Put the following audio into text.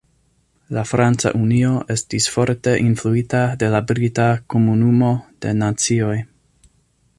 La Franca Unio estis forte influita de la brita Komunumo de Nacioj.